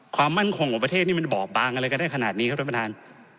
ความมั่นคงของประเทศนี่มันบอบบางอะไรก็ได้ขนาดนี้ครับท่านประธาน